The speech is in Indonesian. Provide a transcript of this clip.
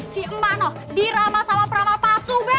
si emak noh dirama sama perama pasu be